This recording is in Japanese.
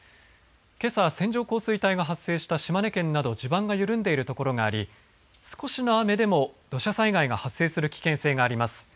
けさ、線状降水帯が発生した島根県など地盤が緩んでいる所があり少しの雨でも土砂災害が発生する危険性があります。